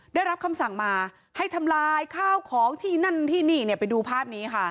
ได้รับคำสั่งมาให้ทำลายข้าวของที่นั่นที่นี่เนี่ยไปดูภาพนี้ค่ะ